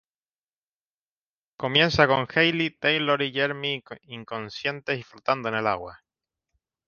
Comienza con Hayley, Taylor y Jeremy inconscientes y flotando en el agua.